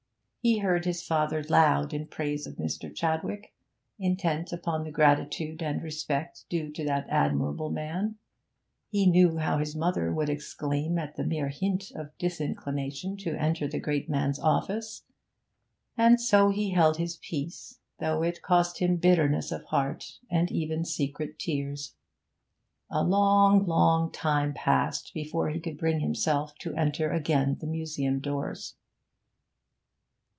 He heard his father loud in praise of Mr. Chadwick, intent upon the gratitude and respect due to that admirable man. He knew how his mother would exclaim at the mere hint of disinclination to enter the great man's office. And so he held his peace, though it cost him bitterness of heart and even secret tears. A long, long time passed before he could bring himself to enter again the museum doors.